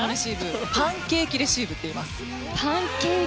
パンケーキレシーブっていいます。